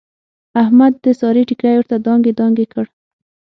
احمد د سارې ټیکری ورته دانګې دانګې کړ.